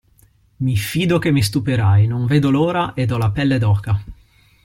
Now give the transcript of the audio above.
Mi fido che mi stupirai, non vedo l'ora ed ho la pelle d'oca.